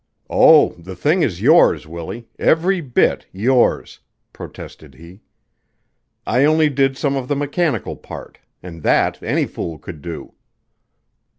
"Oh, the thing is yours, Willie every bit yours," protested he. "I only did some of the mechanical part, and that any fool could do."